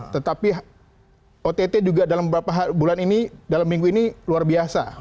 tetapi ott juga dalam beberapa bulan ini dalam minggu ini luar biasa